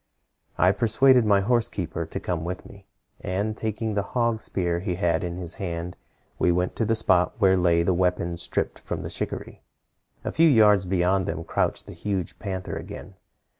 "I persuaded my horse keeper to come with me, and taking the hog spear he had in his hand, we went to the spot where lay the weapons stripped from the shikaree. A few yards beyond them crouched the huge panther again.